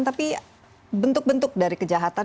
tapi bentuk bentuk dari kejahatan